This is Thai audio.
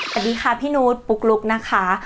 สวัสดีค่ะพี่นุษย์ปุ๊กลุ๊กนะคะ